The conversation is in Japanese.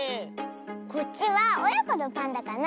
こっちはおやこのパンダかなあ。